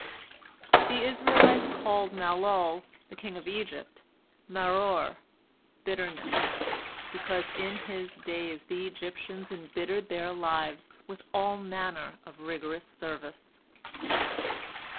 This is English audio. The Israelites called Malol, the king of Egypt, Maror, "Bitterness," because in his days the Egyptians embittered their lives with all manner of rigorous service.